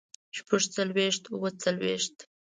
شپږ څلوېښت اووه څلوېښت